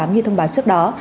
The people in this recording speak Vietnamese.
như thông báo trước đó